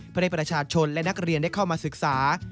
เพื่อให้ประชาชนและนักเรียนได้เข้ามาศึกษา